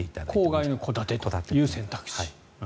郊外の戸建てという選択肢。